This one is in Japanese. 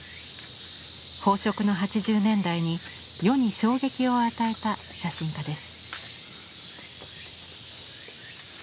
飽食の８０年代に世に衝撃を与えた写真家です。